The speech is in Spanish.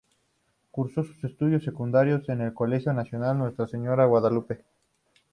Cursó sus estudios secundarios en el Colegio Nacional Nuestra Señora de Guadalupe.